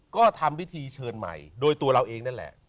ก็ทำพิธีเชิญใหม่โดยตัวเราเองนั่นแหละ